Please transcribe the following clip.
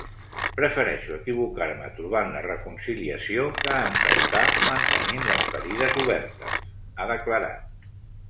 Prefereixo equivocar-me trobant la reconciliació, que encertar mantenint les ferides obertes, ha declarat.